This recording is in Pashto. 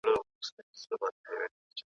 پکښي غورځي د پلار وينه !.